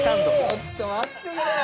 ちょっと待ってくれよ。